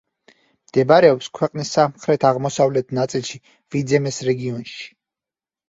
მდებარეობს ქვეყნის სამხრეთ-აღმოსავლეთ ნაწილში, ვიძემეს რეგიონში.